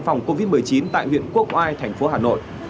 phòng covid một mươi chín tại nguyễn quốc oai tp hà nội